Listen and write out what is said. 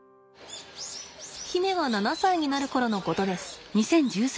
媛が７歳になる頃のことです。